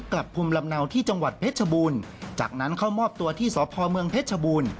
กลับภูมิลำเนาที่จังหวัดเพชรบูรณ์จากนั้นเข้ามอบตัวที่สพเมืองเพชรชบูรณ์